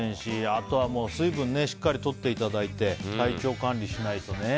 あとはもう水分しっかりとっていただいて体調管理しないとね。